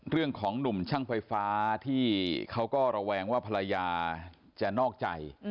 เรื่องของหนุ่มช่างไฟฟ้าที่เขาก็ระแวงว่าภรรยาจะนอกใจ